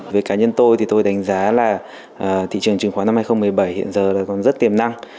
với cá nhân tôi thì tôi đánh giá là thị trường chứng khoán năm hai nghìn một mươi bảy hiện giờ là còn rất tiềm năng